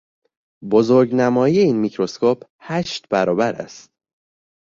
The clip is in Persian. بزرگنمایی این میکروسکوپ هشت برابر است.